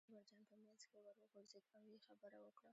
اکبرجان په منځ کې ور وغورځېد او یې خبره وکړه.